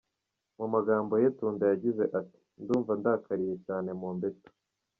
Mu magambo ye Tunda yagize ati:”Ndumva ndakariye cyane Mobetto.